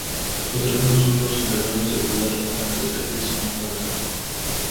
Los alumnos son los encargados de cuidar las plantas que aquí se encuentran.